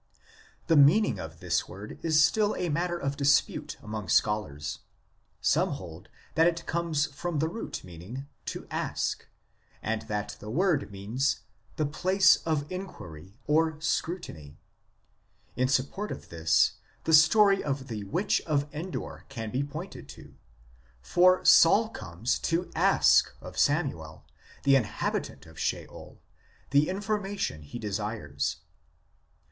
The meaning of this word is still a matter of dispute among scholars. Some hold that it comes from the root meaning " to ask " (^K^), and that the word means " the place of inquiry, or scrutiny" ; in support of this the story of the witch of Endor can be pointed to, for Saul comes to ask of Samuel, the inhabitant of Sheol, the information he desires.